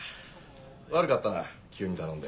悪かったな急に頼んで。